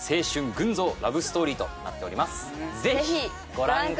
群像ラブストーリーとなっておりますイエーイ！